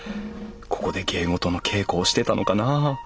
ここで芸事の稽古をしてたのかなあ？